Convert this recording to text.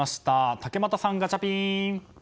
竹俣さん、ガチャピン。